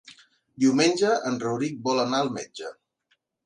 Diumenge en Rauric vol anar al metge.